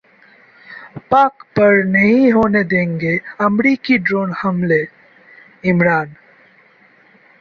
पाक पर नहीं होने देंगे अमेरिकी ड्रोन हमले: इमरान